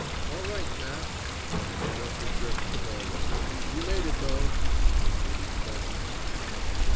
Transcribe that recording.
"All right, Jack." And the conductor jerked the bell rope. "You made it, though." The train sped on.